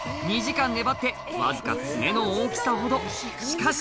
２時間粘って僅か爪の大きさほど。